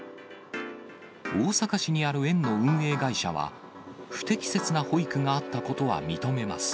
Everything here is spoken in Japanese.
大阪市にある園の運営会社は、不適切な保育があったことは認めます。